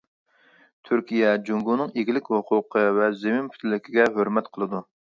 تۈركىيە جۇڭگونىڭ ئىگىلىك ھوقۇقى ۋە زېمىن پۈتۈنلۈكىگە ھۆرمەت قىلىدۇ.